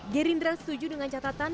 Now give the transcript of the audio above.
gerindra setuju dengan catatan